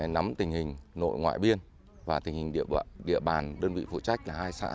nắm tình hình nội ngoại biên và tình hình địa bàn đơn vị phụ trách là hai xã